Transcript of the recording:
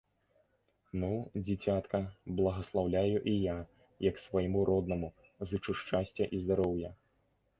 Ну, дзіцятка, благаслаўляю і я, як свайму роднаму, зычу шчасця і здароўя.